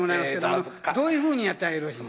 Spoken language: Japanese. どういうふうにやったらよろしい？